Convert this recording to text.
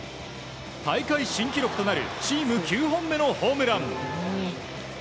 大会新記録となるチーム９本目のホームラン。